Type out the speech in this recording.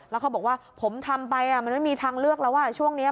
แล้วเขาบอกว่าผมทำไปมันไม่มีทางเลือกแล้วช่วงนี้